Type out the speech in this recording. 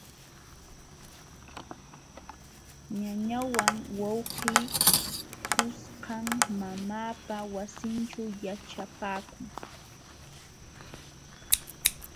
Ñañawan wawqii kuskam mamaapa wasinćhu yaćhapaakun.